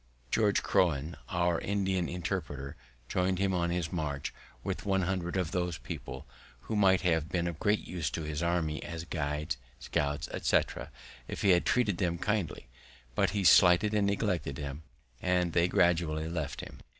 George Croghan, our Indian interpreter, join'd him on his march with one hundred of those people, who might have been of great use to his army as guides, scouts, etc., if he had treated them kindly; but he slighted and neglected them, and they gradually left him.